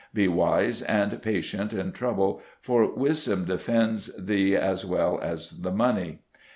Be wyse and pacyente in troble, for wysdom defends the as well as mony.